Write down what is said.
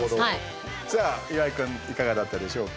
さあ、岩井君いかがだったでしょうか？